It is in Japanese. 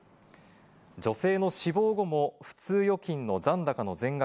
女性の死亡後も普通預金の残高の全額